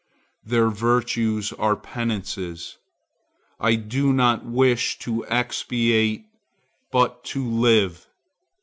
Their virtues are penances. I do not wish to expiate, but to live.